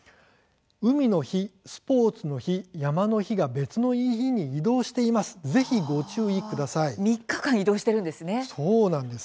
「海の日」、「スポーツの日」「山の日」が別の日に移動しています。